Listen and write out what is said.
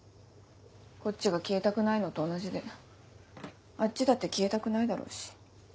こっちが消えたくないのと同じであっちだって消えたくないだろうし。